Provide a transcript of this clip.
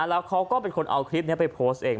แล้วเขาก็เป็นคนเอาคลิปนี้ไปโพสต์เอง